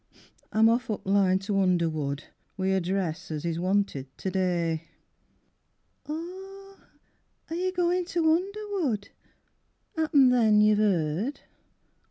I'm off up th' line to Underwood Wi' a dress as is wanted to day. Oh are you goin' to Underwood? 'Appen then you've 'eered?